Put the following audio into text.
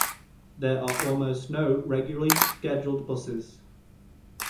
There are also no regularly scheduled buses.